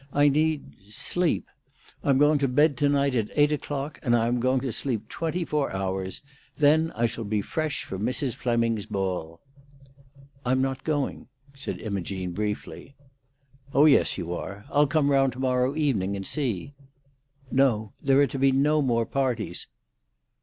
I need—sleep. I'm going to bed tonight at eight o'clock, and I am going to sleep twenty four hours. Then I shall be fresh for Mrs. Fleming's ball." "I'm not going," said Imogene briefly. "Oh yes, you are. I'll come round to morrow evening and see." "No. There are to be no more parties."